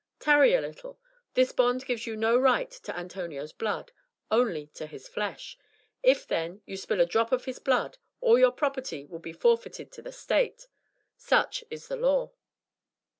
"Tarry a little. This bond gives you no right to Antonio's blood, only to his flesh. If, then, you spill a drop of his blood, all your property will be forfeited to the state. Such is the law."